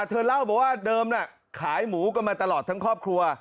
เธอเล่าบอกว่าเดิมน่ะขายหมูกันมาตลอดทั้งครอบครัว